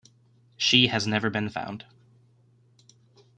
She has never been found.